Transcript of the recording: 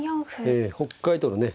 北海道のね